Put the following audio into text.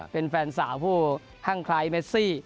เป็นแฟนสาวผู้ห้างคล้ายเมซี่